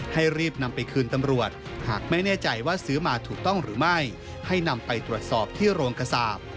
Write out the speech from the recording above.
รีบนำไปคืนตำรวจหากไม่แน่ใจว่าซื้อมาถูกต้องหรือไม่ให้นำไปตรวจสอบที่โรงกระสาป